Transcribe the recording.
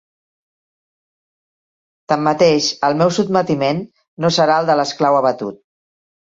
Tanmateix, el meu sotmetiment no serà el de l'esclau abatut.